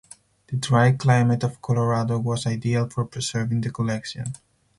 The dry climate of Colorado was ideal for preserving the collections.